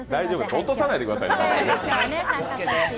落とさないくださいね。